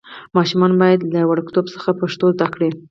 ماشومان باید له وړکتوب څخه پښتو زده کړي.